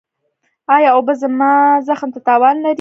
ایا اوبه زما زخم ته تاوان لري؟